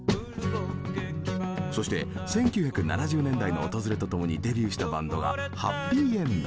そして１９７０年代の訪れとともにデビューしたバンドがはっぴいえんど。